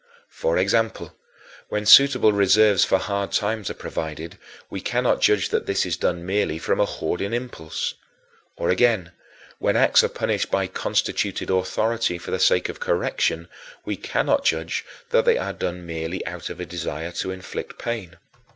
For example, when suitable reserves for hard times are provided, we cannot judge that this is done merely from a hoarding impulse. Or, again, when acts are punished by constituted authority for the sake of correction, we cannot judge that they are done merely out of a desire to inflict pain.